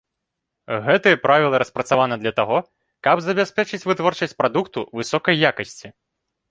Гэтыя правілы распрацаваны для таго, каб забяспечыць вытворчасць прадукту высокай якасці.